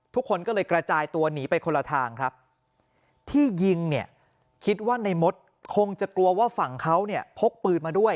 ทุกคนก็เลยกระจายตัวหนีไปคนละทางครับที่ยิงเนี่ยคิดว่าในมดคงจะกลัวว่าฝั่งเขาเนี่ยพกปืนมาด้วย